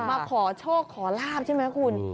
มาขอโชคขอลาบใช่ไหมคุณ